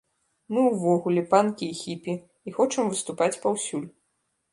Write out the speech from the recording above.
Мы ўвогуле панкі і хіпі, і хочам выступаць паўсюль.